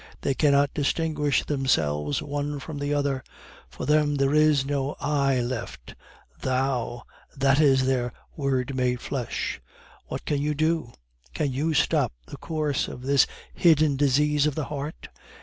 They cannot distinguish themselves one from the other; for them there is no 'I' left. Thou that is their Word made flesh. What can you do? Can you stop the course of this 'hidden disease of the heart'?